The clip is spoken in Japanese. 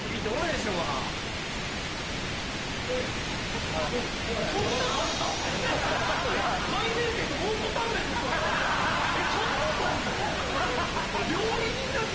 えっそんなんもあんの？